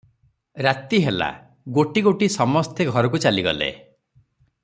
ରାତି ହେଲା, ଗୋଟି ଗୋଟି ହୋଇ ସମସ୍ତେ ଘରକୁ ଚାଲିଗଲେ ।